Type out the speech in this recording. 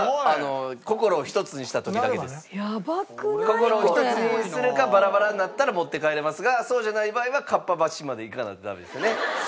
心をひとつにするかバラバラになったら持って帰れますがそうじゃない場合はかっぱ橋まで行かないとダメですよね。